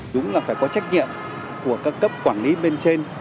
đúng là phải có trách nhiệm của các cấp quản lý bên trên